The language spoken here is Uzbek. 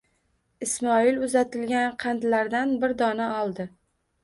Ismoil uzatilgan qandlardan bir dona oldi.